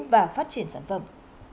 và phát triển sản phẩm